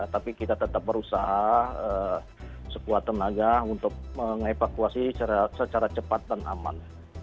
tapi kita tetap berusaha sekuat tenaga untuk mengevakuasi secara cepat dan aman